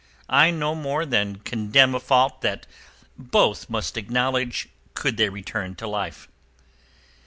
I no more than condemn a fault that both must acknowledge could they return to life."